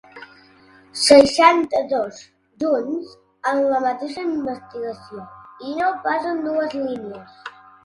Seixanta-dos junts, en la mateixa investigació, i no pas en dues línies.